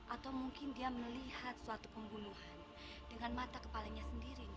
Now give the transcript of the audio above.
atau mungkin dia melihat suatu pembunuhan dengan mata kepalanya sendiri